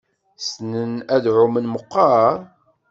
Ssnen ad ɛumen meqqar?